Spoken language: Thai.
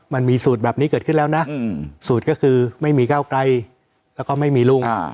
มันมีสูตรแบบนี้เกิดขึ้นแล้วนะสูตรก็คือไม่มีก้าวไกลแล้วก็ไม่มีลุง